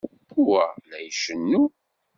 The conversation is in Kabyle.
Pua la icennu.